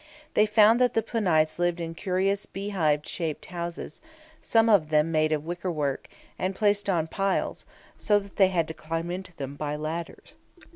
They found that the Punites lived in curious beehive shaped houses, some of them made of wicker work, and placed on piles, so that they had to climb into them by ladders.